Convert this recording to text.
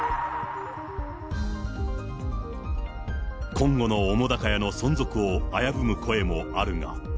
今後の澤瀉屋の存続を危ぶむ声もあるが。